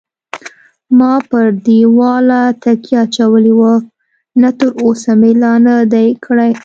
ما پر دېواله تکیه اچولې وه، نه تراوسه مې لا نه دی کړی.